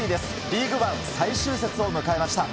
リーグワン最終節を迎えました。